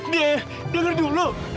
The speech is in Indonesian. de dengar dulu